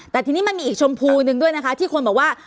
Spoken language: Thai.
แต่ทีนี้มันมีอีกชมพูหนึ่งด้วยนะคะที่คนบอกว่า